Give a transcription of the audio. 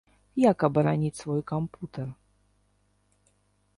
Як абараніць свой кампутар?